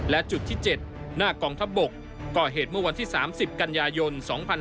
และจุดที่๗หน้ากองทัพบกก่อเหตุเมื่อวันที่๓๐กันยายน๒๕๖๒